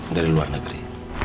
dari luar negeri